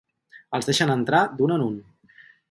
Els deixen entrar d'un en un.